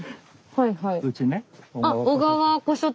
はいはい。